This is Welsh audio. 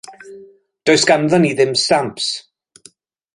Does ganddon ni ddim stamps.